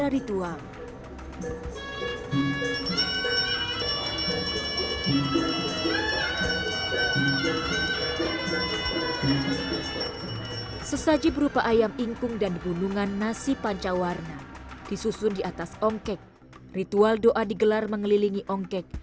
ritual doa dan persembahan digelar mengelilingi ongkek